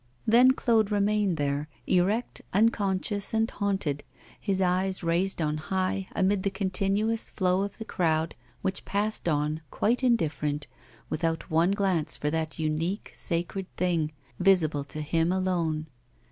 Then Claude remained there, erect, unconscious and haunted, his eyes raised on high, amid the continuous flow of the crowd which passed on, quite indifferent, without one glance for that unique sacred thing, visible to him alone.